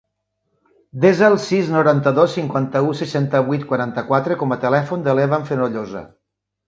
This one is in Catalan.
Desa el sis, noranta-dos, cinquanta-u, seixanta-vuit, quaranta-quatre com a telèfon de l'Evan Fenollosa.